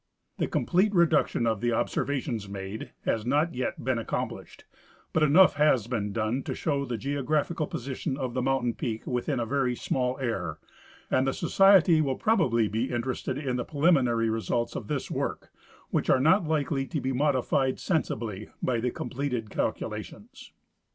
* The complete reduction of the observations made has not yet been accomplished, but enough has been done to show tlie geo graphical ])osition of the mountain peak within a very small error, and the Society will probably be interested in the })re liminary results of this work, which are not likely to be modi fied sensibly by the completed calculations.